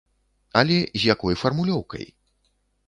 Але з якой фармулёўкай?